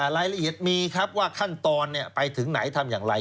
รายละเอียดมีครับว่าขั้นตอนไปถึงไหนทำอย่างไร